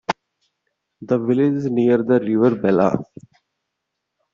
The village is near the River Belah.